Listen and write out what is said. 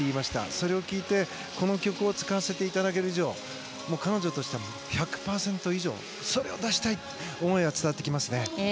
それを聞いてこの曲を使わせていただく以上彼女としては、１００％以上それを出したいって思いが伝わってきますね。